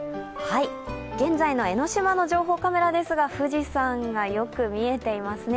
現在の江の島の情報カメラですが、富士山がよく見えていますね。